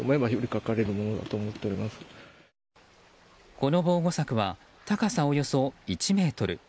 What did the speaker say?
この防護柵は高さおよそ１ｍ。